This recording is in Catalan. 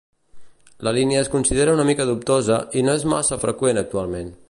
La línia es considera una mica dubtosa, i no és massa freqüent actualment.